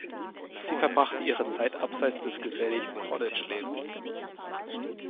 Sie verbrachte ihre Zeit abseits des geselligen College-Lebens.